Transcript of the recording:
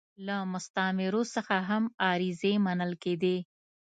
له مستعمرو څخه هم عریضې منل کېدې.